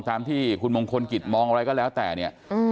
ตามที่คุณมงคลกิจมองอะไรก็แล้วแต่เนี่ย